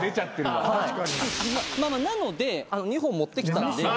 なので２本持ってきた。